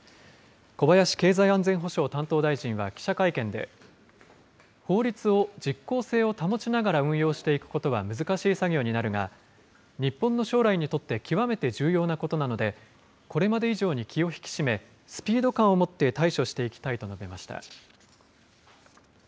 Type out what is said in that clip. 小林経済安全保障担当大臣は記者会見で、法律を実効性を保ちながら運用していくことは難しい作業になるが、日本の将来にとって極めて重要なことなので、これまで以上に気を引き締め、スピード感をもって対処していきたいと述べました。